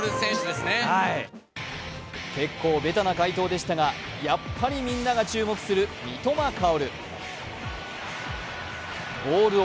結構ベタな回答でしたがやっぱりみんなが注目する三笘薫。